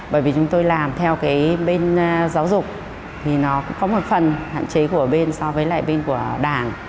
bởi vì chúng tôi làm theo cái bên giáo dục thì nó cũng có một phần hạn chế của bên so với lại bên của đảng